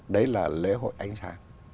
đấy là lễ hội ánh sáng